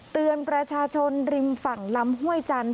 เตือนประชาชนริมฝั่งลำห้วยจันท